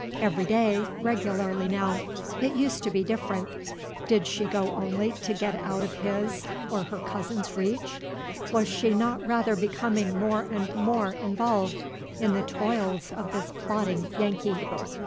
Everyday, regularly now, it used to be different. Did she go only to get out of his, her cousin's, reach? Was she not rather becoming more and more involved in the toils of this plotting Yankee?